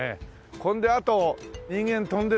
これであと人間飛んでりゃ